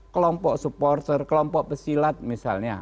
kelompok supporter kelompok pesilat misalnya